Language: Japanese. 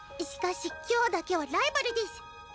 しかし今日だけはライバルです。